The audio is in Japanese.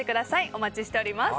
お待ちしております。